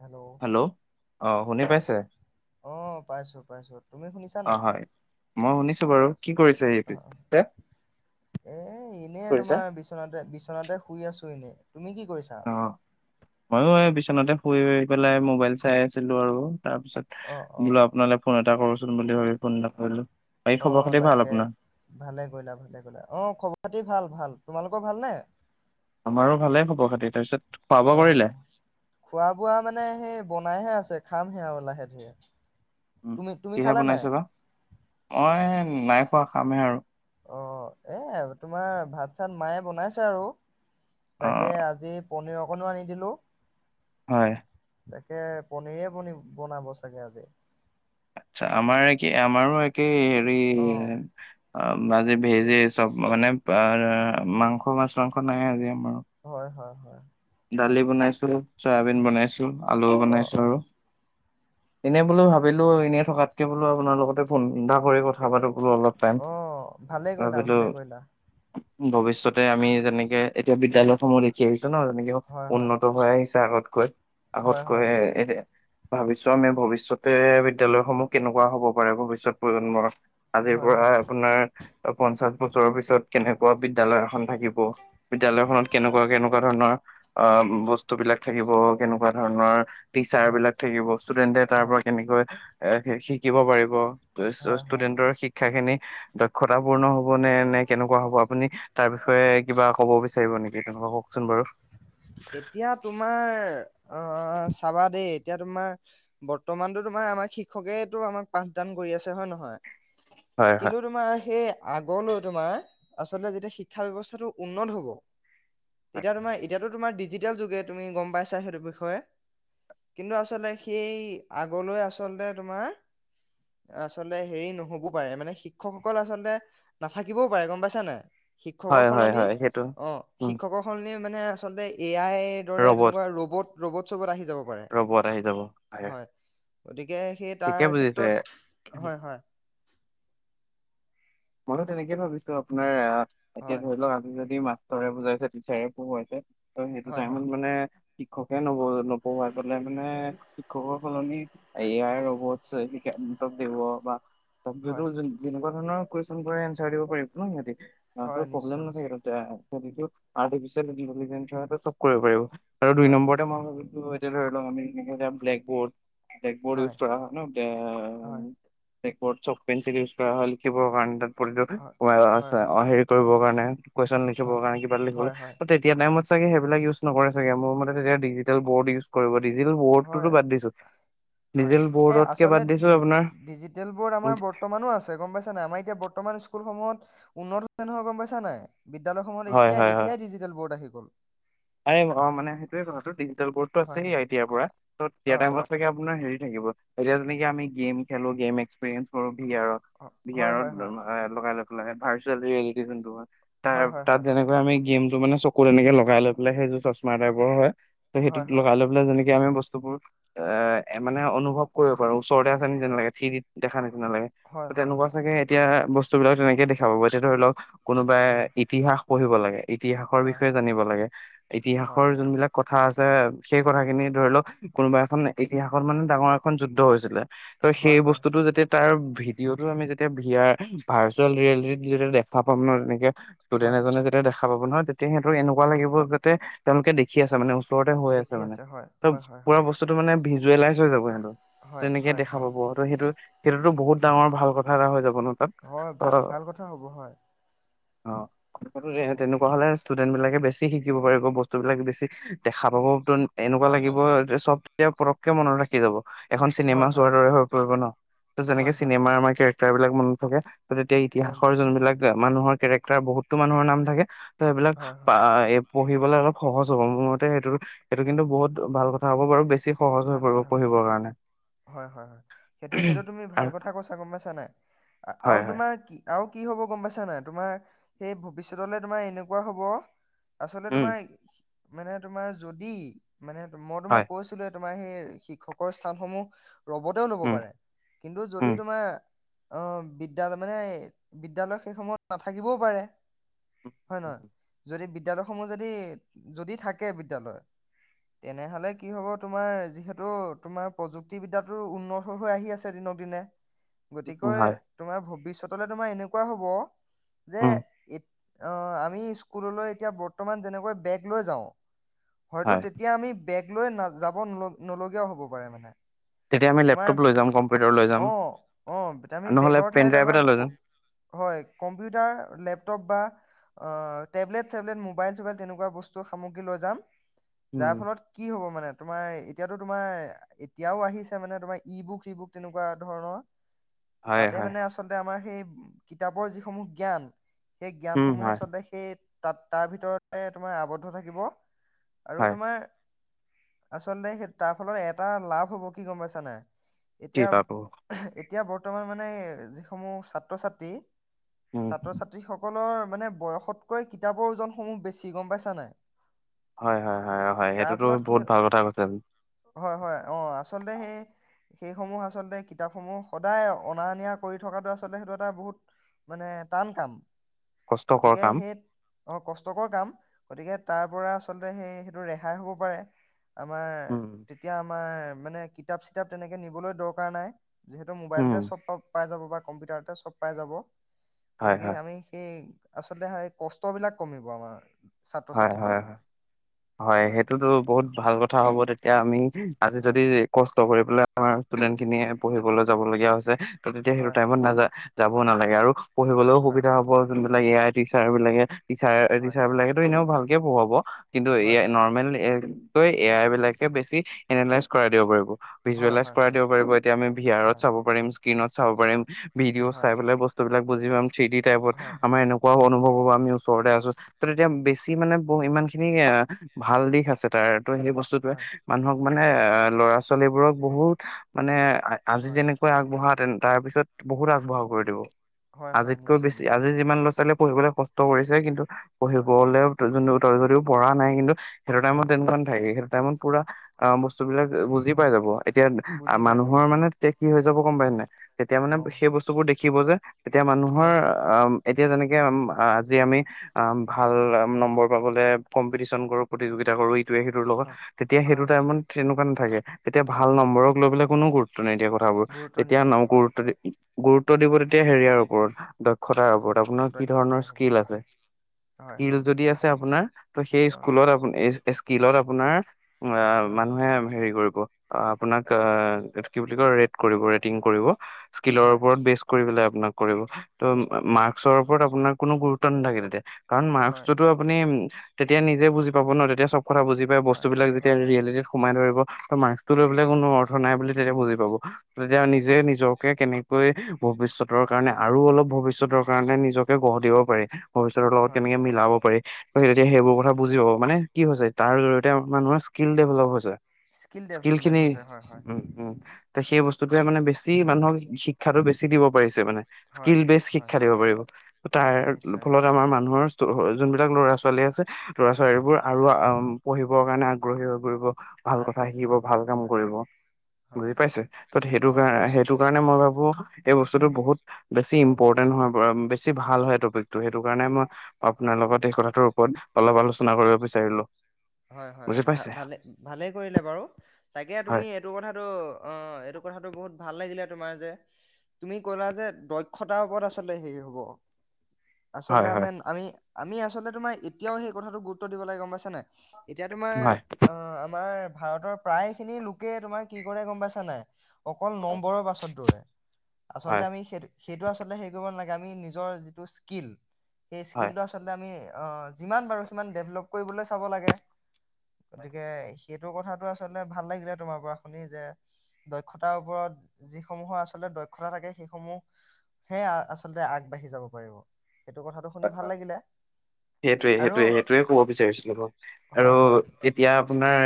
Hello শুনি অ পাইছে অ পাইছোঁ পাইছোঁ তুমি শুনিছা অ নাই হয় মই শুনিছো বাৰু কি কৰিছে অ তে এই এনেই কৰিছা তোমাৰ বিচনাতে বিচনাতে শুই আছো এনেই। তুমি কি কৰিছা অ ময়ো এ বিশ। তে শুই পেলাই মোবাইল চাই আছিলো আৰু। তাৰপিছত, অ অ বোলোঁ আপোনালৈ ফোন এটা কৰোঁ। বুলি ভাবি ফোন নকৰিলো। অ তাকে ভালে কৰিলা ভালে কৰিলা অ খবৰ পাতি ভাল ভাল। তোমালোকৰ ভালনে? আমাৰো ভালে খব খাতি তাৰপিছত। খোৱা বোৱা অ কৰিলে খোৱা বোৱা মানে সেই বনাইহে আছে। খাম হে আৰু লাহে ধিৰে। কিহে বনাইছ বা মই নাইফ। খামে আৰু। অ এই তোমাৰ ভাত চাত মায়ে বনাইছে আৰু। অ তাকে আজি। পনীৰ অকণো আনি দিলোঁ। হয়। তাকে পনে পনে বনাব চাগে আজি। আচ্ছা আমাৰ একে আমাৰো একে। অ [unintelligible] অ আজি বিজী চব মানে বা মাংস, মাছ মাংস নাই আজি আমাৰ। হয় হয় হয় [unintelligible] দালি বনাইছো চয়াবিন বনাইছো। আলুও অ', বনাইছো অ', আৰু এনেই বোলোঁ ভাবিলো এনে থকাতকে বোলোঁ আপোনাৰ লগতে ফোন এটা কৰি ক থা পাতো বুলো অলপ টাইম অ', ভালে কৰিলা, ভাবিলো ভালে কৰিলা। ভৱিষ্যতে আমি যেনেকে এতিয়া বিদ্যালয়সমূহ দেখি আহিছো ন হয়, হয়, উন্নত হৈ আহিছে আগত হয় আগত হয়, হয়, কৰে এই নিশ্চয়। যে। ভাবিছো আমি ভৱিষ্যতে বিদ্যালয়সমূহ কেনেকুৱা হ'ব পাৰে ভৱিষ্যত প্ৰজন্মৰ। আজিৰ হয়, পৰা হয়, আপোনাৰ পঞ্চাশ বছৰৰ পিছত কেনেকোৱা বিদ্যালয় এখন থাকিব বিদ্যালয়খনত কেনেকোৱা কেনেকোৱা ধৰণৰ অ বস্তু বিলাক থাকিব কেনেকোৱা ধৰণৰ টিচাৰ হয়, বিলাক থাকিব ষ্টুডেন্টে তাৰ হয়, পৰা কেনেকৈ এ শিকিব পাৰিব হয়, হয়, হয়। ষ্টুডেণ্টৰ শিক্ষাখিনি দক্ষতাও পূৰ্ণ হ'ব। হব নে নে কেনেকোৱা হ'ব আপুনি তাৰ বিষয়ে কিবা ক'ব বিচাৰিব নেকি তেনেকোৱা কওকচোন বাৰু। এতিয়া তোমাৰ অ চাবা দেই। এতিয়া তোমাৰ বৰ্তমানতো তোমাৰ আমাৰ শিক্ষকেতো আমাৰ পাঠদান কৰি আছে হয় নহয় হয় হয় কিন্তু তোমাৰ সেই আগলৈ তোমাৰ আচলতে যেতিয়া শিক্ষা ব্যৱস্থাটো উন্নত হব হয়। তেতিয়া তোমাৰ ইত এতিয়াতো তোমাৰ ডিজিটেল যুগে তুমি গম পাইছা সেইটো বিষয়ে কিন্তু আচলতে সেই আগলৈ আচলতে তোমাৰ আচলতে হেৰি নহবও পাৰে মানে শিক্ষকসকল আচলতে নাথাকিবও পাৰে গম পাইছা নাই শিক্ষকৰ হয় হয় সলনি হয় সেইটো অ শিক্ষকৰ সলনি মানহে আছে আচলতে এ আই সেইদৰে তেনেকোৱা ৰ'বত ৰবোৎসৱত আহি যাব পাৰে ৰ'বত আহি যাব আহ অধিক। গে সেই তাৰ ক্ষেত্ৰত, হয় হয়। মইতো তেনেকেইে ভাবিছো আপোনাৰ আ এতিয়া হয় ধৰি লওক আমি যদি মা ৰে বুজাইছে তি চাৰে পোহাইছে। ত সেইটো হয় হয় টাইমত মানে শিক্ষকে নব নপঢ়াই পেনে শিক্ষকৰ সলনি এয়াৰ ৰবত ছে শিক্ষা দিব বা হয় [unintelligible] ন ক? ফোন কৰি এঞ্চাৰ দিব পাৰিব ন হেটি। হয় হাৰ্ডৰ নিশ্চয় প্ৰব্লেম নাথাকে নিশ্চয় তাতে। আৰ্টিফিচিয়েল ইন্টেলিজেঞ্চৰ চব কৰিব পাৰিব। আৰু দুই হয় হয় নম্বৰতে মই ভাবিলো ইত ধৰি কম আমি ব্লেকবোৰ্ড ব্লেকবৰ্ড উইছ কৰা হয় ন হয় ব্লেকবৰ্ড চক পেঞ্চিল ইউজ কৰা হয় লিখিব কাৰণে। [unintelligible] হয় সোমাই হয় হয় আছে অ হেৰি কৰিবৰ কাৰণে কুৱেশন হয় লিখিবৰ কাৰনে কিবা লিখিবলে হয় হয় তেতিয়া টাইমত চাগে সেইবিলাক উজ নকৰে চাগে মোৰ মতে তেতিয়া ডিজিটেল বৰ্ড ইউজ কৰিব। ডিজিটেল বৰ্ডটোতো হয় বাদ দিছো হয় ডিজিটেল এই বৰ্ডতকে বাদ আচতে দিছো আপোনাৰ ডিজিটেল বৰ্ড আমাৰ বৰ্তমানো আছে গম পাইছ নাই আমাৰ এতিয়া বৰ্তমান স্কুলসমূহত উন্নত হৈছে নহয় গম পাইছা নাই। বিদ্যালসমূহত এতিয়া এতিয়াই ডিজিটেল বৰ্ড আহিল। ভোন এই অ মানে সেইটোয়ে কথাটো দ ডিজিটেল বৰ্ড টো হয় আছেই হয় এতিয়াৰ পৰা অ হয় টাইমতে আপোনাৰ হেৰি থাকিব এতিয়া যেনেকে আমি গেম খেলো গেম এক্সপৰিয়েন্স ভহাৰত অ হয় বিহাৰত হয় লগাই লগ ভাৰ্চুৱেল য়েলিটি যোনটো হয়। ত হয় তাত হয় যেনেকৈ আমি গেম ত মানে চকু এনেকে লগাই লৈ লে সেইযোৰ চশমা টাইবৰ হয়। ত সেইটোত হয় হয় হয় লগাই লৈ পেলাই যেনেকে আমি বস্তুবোৰ এ মানে অনুভৱ কৰিব পাৰো। ওচৰতে আছে নে যেন লাগে থি দি দেখা নিচিনা লাগে হয় হয় হয় হয় তেনেকুৱা চাগে এতিয়া বস্তু বস্তুবিলাক তেনেকে দেখা পাব এতিয়া ধৰি লওক কোনোবাই ইতিহাস পঢ়িব লাগে। ইতিহাসৰ হয় বিষয়ে জানিব লাগে। ইতিহাসৰ যোনবিলাক কথা আছে, সেই কথাখিনি ধৰি লওক কোনোবা এখন ইতিহাসত মানে ডাঙৰ এখন যুদ্ধ হৈছিলে। ত' হয় সেই হয় হয় হয় বস্তুতটো যাতে তাৰ ভি ভিডিঅটো আমি যেতিয়া বিয়াৰ ভাৰ্চুৱেল ৰিয়েলিটিত যেতিয়া দেখা পাম ন তেনেকে। হয় [unintelligible] [unintelligible] সিহঁতৰ এনেকুৱা হয় লাগিব। তেওঁলোকে দেখি আছে মানে। ওচৰতে হৈ আছে দেখি মানে, হয় ত' হয় হয় পুৰা হয় বস্তুতটো মানে জুৱেলাচ হৈ যাব সিহঁতৰ। হয় তেনেকে হয় দেখা হয় পাব। ত' সেইটো সেইটোতো বহুত ডাঙৰ ভাল কথা এটা হৈ যাব। ন তাত হয় ভাল ভাল কথা হ'ব হয়। অঁ। অ তেনেকুৱা হ'লে। ষ্টুডেনট বিলাকে বেছি শিকিব পাৰিব, বস্তুবিলাক বেছি দেখা পাব। এনেকুৱা হয় লাগিব হয় ইয়াতে চব এতিয়া পতককে মনত থাকি যাব। এখন চিনেমা হয় হয় চোৱাৰ দৰে হৈ পৰিব ন ত' হয় যেনেকে হয় চিনেমা হয় আমাৰ কেৰেক্টাৰ বিলাক। মানত থাকে। তেতিয়া গম ইতিহাসৰ পাইছো যোনবিলাকে মানুহৰ কে তাৰ বহুতো মানুহৰ নাম থাকে। ত' সেইবিলাক হয় হয় পঢ়িবলৈ অলপ সহজ হ'ব। মোৰ মতে সেইটো এইটো কিন্তু বহুত ভাল কথা হ'ব বাৰু বেছি সহজ হৈ ভাল পৰিব কথা হ'ব। পঢ়িবৰ কাৰণে হয় হয় হয়, সেইটো সেইটো তুমি ভাল আৰু কথা কৈছা গম পাইছা নাই হয় আৰু হয় তোমাৰ কি আৰু কি হব গম পাইছা নাই তোমাৰ সেই ভৱিষ্যতলৈ তোমাৰ এনেকুৱা হব আচলতে উম তোমাৰ, মানে তোমাৰ যদি মানে মই তোমাক হয় কৈছিলো তোমাৰ সেই শিক্ষকৰ স্থানসমূহ ৰ'বতেও ল'ব উম পাৰে। কিন্তু যদি উম তোমাৰ অ' বিদ্যালয় মানে বিদ্যালয় সেই সময়ত নাথাকিবও পাৰে। উম হয়ে নহয় উম, যদি বিদ্যালয়লয়সমূহ যদি যদি থাকে বিদ্যালয় তেনেহ'লে কি হ'ব তোমাৰ যিহেতু তোমাৰ প্ৰযুক্তিবিদ্যয়ায়োউন্নত হৈ আহি আছে দিনক দিনে উম, গতিকে হয় তোমাৰ ভৱিষ্যত তোমাৰ এনেকুৱা হ'ব যে উম ই অ আমি স্কুললৈ এতিয়া বৰ্তমান যেনেকৈ বেগ লৈ যাওঁ হয়তো হয় তেতিয়া আমি বেগ লৈ নাযায় যাব নল নলগীয়াও হ'ব পাৰে মানে তেতিয়া আমি তোমাৰ লেপটপ লৈ যাম কম্পিউটাৰ লৈ যাম অ অ আমি নহ'লে বেগৰ পেন ঠাইত ড্ৰাইভ আমাৰ এটা লৈ যাম হয় কম্পিউটাৰ লেপটপ বা অ টেবলেট চেবলেট মোবাইল চবাইল তেনেকুৱা বস্তু সামগ্ৰী লৈ যাম যাৰ উম ফলত কি হ'ব মানে তোমাৰ এতিয়াতো তোমাৰ এতিয়াও আহিছে মানে তোমাৰ ই বুক চি বুক তেনেকুৱা ধৰণৰ হয় তাতে হয় মানে আচলতে আমাৰ সেই কিতাপৰ যিসমূহ জ্ঞান সেই উম জ্ঞানসমূহ হয় আচলতে সেই তাত তাৰ ভিতৰতে তোমাৰ আৱদ্ধ থাকিব আৰু হয় তোমাৰ আচলতে সেই তাৰ ফলত এটা লাভ হ'ব কি গম পাইছানা নে নই, কি এতিয়া পাবো এতিয়া বৰ্তমান মানে যিসমূহ ছাত্ৰ ছাত্ৰী উম ছাত্ৰ ছাত্ৰী সকলৰ মানে বয়সতকৈ কিতাপৰ ওজনসমূহ বেছি গম পাইছা নাই, হয় হয় হয় হয় তাৰ সেইটোতো ফলত কি বহুত ভাল কথা কৈছ হয় হয় অ আচলতে সেই সেইসমূহ আচলতে কিতাপসমূহ সদায় অনা অন নিয়া কৰি থকাটো আচলতে সেইটো এটা বহুত মানে টান কাম কষ্টকৰ গতিকে কাম সেই অ কষ্টকৰ কাম গতিকে তাৰ পৰা আচলতে সেই সেইটো ৰেহাই হব পাৰে, আমাৰ উম তেতিয়া আম তোমাৰ মানে কিতাপ চিতাপ তেনেকে নিবলৈ দৰকাৰ নাই যিহেতু উম মোবাইলতে চব পাই যাব বা কম্পিউটাৰতে চব পাই যাব, হয় গতিকে হয় আমি সেই আচলতে হে কষ্ট বিলাক কমিব আমাৰ ছাত্ৰ হয় হয় ছাত্ৰীসকলৰ হয় সেইটোতো বহুত ভাল কথা কথা হ'ব তেতিয়া আমি আজি যদি হয় কষ্ট কৰি পেলাই আমাৰ ষ্টুডেন্ট খিনিয়ে পঢ়িবলে যাবলগীয়া হৈছে ত তেতিয়া সেইটো হয় হয় টাইমত নাযায়, যাব নালাগে আৰু পঢ়িবলৈও হয় সুবিধা হ'ব আৰু যোন এ আই টিচাৰ বিলাকে টিচাৰ হয় টিচাৰ বিলাকে ভালকে পঢ়োৱাব কিন্তু এ হয় আই হয় নৰ্মেল এ এ আই বিলাকে বেছি এনলাইজ কৰাই দিব পাৰিব। হয় ভিজুৱেলাইজ হয় কৰাই হয় দিব পাৰিব এতিয়া আমি ভি আৰত হয় চাব পাৰিম স্ক্ৰীনত চাব পাৰিম হয় ভিডিঅ হয় চাই পেলাই বস্তুবিলাক বুজি পাম থ্ৰি ডি টাইপত হয় হয় আমাৰ এনেকুৱা হয় অনুভৱ হ'ব আমি আছো ত এতিয়া বেছি মানে বহ ইমান খিনি এ ভাল দিশ আছে তাৰ ত সেই বস্তুটোৱে হয় মানুহক মানে এ ল'ৰা ছোৱালীবোৰক বহুত মানে আ আজি হয় যেনেকুৱা আগবঢ়া তেন তাৰ পিছত বহুত আগবঢ়া কৰি দিব হয় হয় আজিতকৈ নিশ্চয় বেছি আজি নিশ্চয় যিমান ল'ৰা ছোৱালীয়ে পঢ়িবলে কষ্ট কৰিছে, কিন্তু হয় পঢ়িবলেও দুজো দুগুণ ত যদিও পৰা় নাই, কিন্তু সেইতো হয় টাইমত তেনেকুৱা নেথাকে। টাইমত পুৰা আ ব বস্তু বিলাক বুজি পাই হয় যাব, এতিয়া আ বুজি পাই যাব মানুহৰ হয় মানে তেতিয়া কি হৈ যাব গম পায় নাই? তেতিয়া মানে অ সেই বস্তুবোৰ দেখি দেখিব যে এতিয়া হয় মানুহৰ হয় অ এতিয়া যেনেকে তাকে উম আজি আমি অ ভাল নম্বৰ পাবলে কম্পিটিচন কৰোঁ প্ৰতিযোগিতা কৰোঁ ইতোৱে সিটোৰ লগত হয় তেতিয়া হয় সেইটো হয় টাইমত তেনেকুৱা নেথাকে তেতিয়া ভাল হয় নম্বৰক লৈ পেলাই কোনো গুৰুত নিদিয়া কথাবোৰ গুৰুত্ব তেতিয়া নিদিব ন হয় গুৰুত্ব দি গুৰুত্ব দিব তেতিয়া হেৰিয়াৰ ওপৰত ডট টাৰ অ ওপৰত আপোনাৰ কি ধৰণৰ দক্ষতাৰ স্কিল ওপৰত আছে, হয় হয় স্কিল হয় যদি আছে আপোনাৰ ত সেই অ স্কুলত আপুনি এইচ স্কিলত আপোনাৰ এ হয় মানুহে হেৰি কৰিব, অ আপোনাক কি বুলি কয় ৰেট কৰিব ৰেটিং কৰিব স্কিলৰ হয় ওপৰত বেচ কৰি পেলাই ন'ক কৰিব, ত' অ মাস্কৰৰ ওপৰত আপোনাক কোনো গুৰুত্ব নাথাকে [unintelligible] কাৰণ হয় মাৰ্কসটোত আপুনি উম- তেতিয়া নিজে বুজি পাব ন, তেতিয়া চব কথা বুজি পাই হয় হয় বস্তুবিলাক হয় যেতিয়া হয় হয় ৰিয়েলিটিত সোমাই ধৰিব ত মাৰ্কসটো লৈ পেলাই কোনো অৰ্থ নাই বুলি তেতিয়া বুজি পাব নিজা নিজে নিজকে কেনেক পয় ভৱিষ্যতৰ কাৰণে আৰু অলপ ভৱিষ্যতৰ কাৰণে নিজকে গঢ় দিব পাৰি। সও চাদৰ লগত হয় কেনেকে মিলাব পাৰি। ক তেতিয়া সেইবোৰ কথা হয় বুজি পাব মানে কি হৈছে তাৰ জৰিয়তে মানুহৰ স্কিল ডেভেলপ হৈছে স্কিল ডেভেলপমেণ্ট খিনি হৈছে হয় হয় উম, উম', তে সেই বস্তুটোয়ে মানে বেছি মানুহক শিক্ষাতো বেছি দিব পাৰিছে যে মানে হয় স্কিল বেজ হয় শিক্ষা দিব পাৰিব তাৰ হয় নিশ্চয় ফলত নিশ্চয় আমাৰ মানুহৰ যোনবিলাক ল'ৰা ছোৱালী আছে ল'ৰা হয় সেইবোৰ আৰু অম পঢ়িব ঢ়িবৰ কাৰণে আগ্ৰহী হৈ পৰিব ভাল কথা আগ্ৰহী শিকিব হৈ ভাল পৰিব কাম হয় কৰিব হয় বুজি পাইছে ত সেইটো অ কাৰ পাইছোঁ সেইটো পাইছোঁ কাৰণে মই ভাবো এই বস্তুটো বহুত বেছি ইম্পৰ্টেণ্ট হয়। অম বেছি ভাল হয় টপিক, ত' সেইটো কাৰণে মই হয় আপোনাৰ লগত এই কথাটোৰ হল, অলপ আলোচনা কৰিব বিচাৰিলো। হয় হয় বুজি ভ পাইছে ভালে ভালেই কৰিলে বাৰু তাকে তুমি হয় এইটো কথাটো অ এইটো কথাটো বহুত ভাল লাগিলে তোমাৰ যে তুমি কলা যে দক্ষতাৰ ওপৰত আচলতে হেৰি হব। আচলতে হয় হয় আমেন আমি আমি আচলতে তোমাৰ এতিয়াও সেই কথাটো গুৰুত্ব দিব লাগে গম পাইছা নে। এতিয়া তোমাৰ হয় অ আমাৰ ভাৰতৰ প্ৰায় খিনি লোকে তোমাৰ কি কৰে গম পাইছা নাই অকল নম্বৰৰ পাছট দৌৰে আচলতে হয় আমি সেই সেইটো আচলতে হেৰি কৰিব নালাগে আমি নিজৰ যিটো স্কিল সেই স্কিল হয় টো আচলতে আমি। অ যিমান বাৰু সিমান ডেভলপ কৰিবলৈ চাব লাগে। গতিকে সেইটো কথাটো আচলতে ভাল লাগিলে তোমাৰ পৰা শুনি যে দক্ষতাৰ ওপৰত যিসমূহৰ আচলতে দক্ষতা থাকে সেইসমূহহে আচলতে আগবাঢ়ি যাব পাৰিব। সেইটো কথাটো শুনি হয় ভাল হয় লাগিলে সেইটোৱে আৰু সেইটোৱে সেইটোয়ে কব বিচাৰিছিলো ম আৰু হয় হয় এতিয়া আপোনাৰ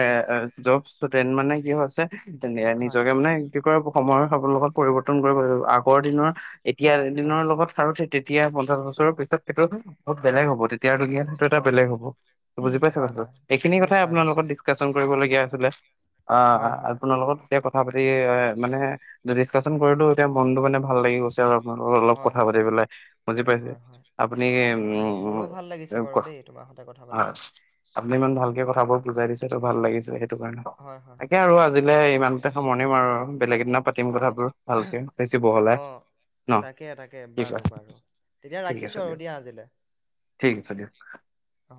জব ষ্টুডেণ্ট মানে কি হৈছে? হয় নিজকে মানে কি কয় সময় সকলোকে পৰিৱৰ্তন কৰিব আগৰ দিনৰ এতিয়া এ হয় দিনৰ লগত খাৰো তেতিয়া পঞ্চাছ বছৰৰ পিছত [unintelligible] অ, বেলেগ হব। এতিয়া সেইটো এটা হয় হয় বেলেগ হ'ব বুজি পাইছ হয় কথাটো হয় এইখিনি কথাই নিশ্চয় আপোনাৰ লগত নিশ্চয় ডিছকাশচন কৰিবলগীয়া [unintelligible] অ হয় হয় আপোনাৰ লগত। এতিয়া কথা পাতি এ মানে ডিচকাশচন কৰিলো এতিয়া মনটো মানে ভাল লাগি গৈছে আৰু অলপ হয় কথা হয় পাতি পেলাই বুজি পাইছে। হয় হয় আপুনি অ মো- মো- মোৰো ভাল লাগিছে বাৰু [unintelligible] দেই তোমাৰ সতে কথা পাতি আপুনি ইমান হয় ভালকে কথাবোৰ বুজাই দিছে। সেইটো ভাল লাগিছে। হয় হয় এতিয়া আৰু আজিলে তাকে ইমানতে সামৰণি মৰো আৰু বেলেগ এদিনা পাতিম অ কথাবোৰ ভালকে বেছি বহলাই অ ন তাকে তাকে কি বাৰু কোৱা বাৰু তেতিয়া ঠিক ৰাখিছো আৰু আছে। দিয়া আজিলে ঠিক আছে দিয়ক। অ,